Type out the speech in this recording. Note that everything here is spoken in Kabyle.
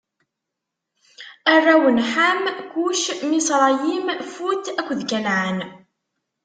Arraw n Ḥam: Kuc, Miṣrayim, Fut akked Kanɛan.